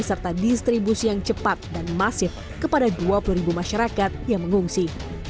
serta distribusi yang cepat dan masif kepada dua puluh ribu masyarakat yang mengungsi